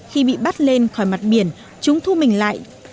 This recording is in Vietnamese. khi bị bắt lên khỏi mặt biển chúng thu mình lại